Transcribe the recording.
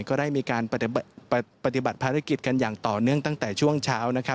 ก็ได้มีการปฏิบัติภารกิจกันอย่างต่อเนื่องตั้งแต่ช่วงเช้านะครับ